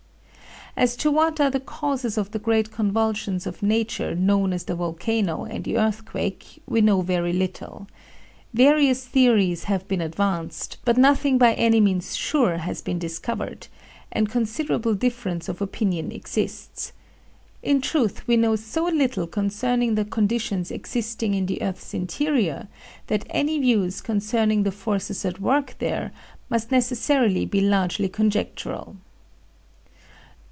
As to what are the causes of the great convulsions of nature known as the volcano and the earthquake we know very little. Various theories have been advanced, but nothing by any means sure has been discovered, and considerable difference of opinion exists. In truth we know so little concerning the conditions existing in the earth's interior that any views concerning the forces at work there must necessarily be largely conjectural.